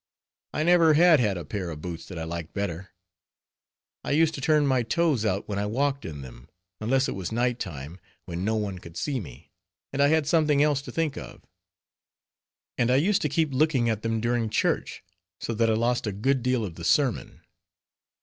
I never had had a pair of boots that I liked better; I used to turn my toes out when I walked in them, unless it was night time, when no one could see me, and I had something else to think of; and I used to keep looking at them during church; so that I lost a good deal of the sermon.